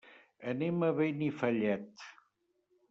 Anem a Benifallet.